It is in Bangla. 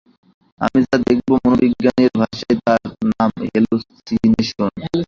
আমি যা দেখব, মনোবিজ্ঞানীর ভাষায় তার নাম হেলুসিনেশন।